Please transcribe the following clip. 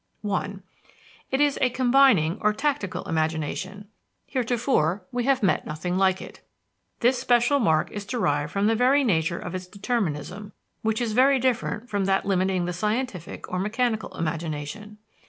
(1) It is a combining or tactical imagination. Heretofore, we have met nothing like it. This special mark is derived from the very nature of its determinism, which is very different from that limiting the scientific or mechanical imagination.